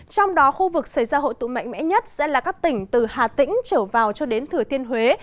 trong đó khu vực xảy ra hội tụ mạnh mẽ nhất sẽ là các tỉnh từ hà tĩnh trở vào cho đến thừa thiên huế